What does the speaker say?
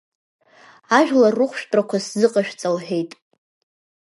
Ажәлар рыхәшәтәрақәа сзыҟашәҵа лҳәеит.